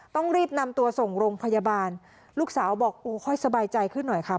ต้องรีบนำตัวส่งโรงพยาบาลลูกสาวบอกโอ้ค่อยสบายใจขึ้นหน่อยค่ะ